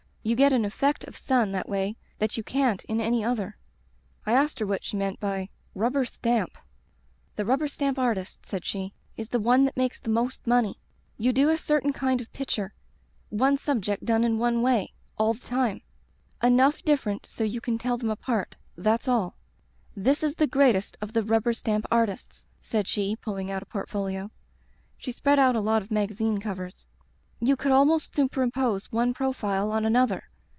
You get an effect of sun that way that you can't in any other.' "I asked her what she meant by * Rubber Stamp.' "'The rubber stamp artist,' said she, *is the one that makes the most money. You do a certain kind of picture — one subject done in one way, all the time — enough different so you can tell them apart, that's all. This is the greatest of the rubber stamp artists,' said she, pulling out a portfolio. She spread out a lot of magazine covers. 'You could almost superimpose one profile on another.